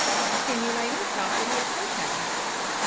_Stimulating Property of Cocoa.